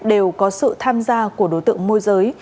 đều có sự tham gia của đối tượng môi giới